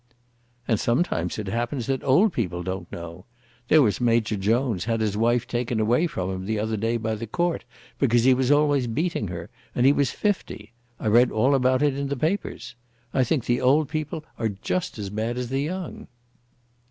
"And sometimes it happens that old people don't know. There was Major Jones had his wife taken away from him the other day by the Court because he was always beating her, and he was fifty. I read all about it in the papers. I think the old people are just as bad as the young."